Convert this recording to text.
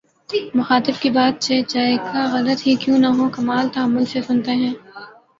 مخاطب کی بات چہ جائیکہ غلط ہی کیوں نہ ہوکمال تحمل سے سنتے ہیں